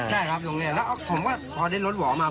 ใช่ครับตรงนี้แล้วผมก็พอได้รถหวอมา